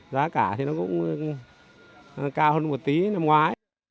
giá cả thì nó cũng cao hơn một tí năm ngoái